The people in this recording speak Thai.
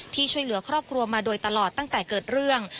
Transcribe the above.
ช่วยเหลือครอบครัวมาโดยตลอดตั้งแต่เกิดเรื่อง